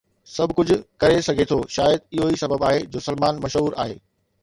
سڀ ڪجهه ڪري سگهي ٿو، شايد اهو ئي سبب آهي جو سلمان مشهور آهي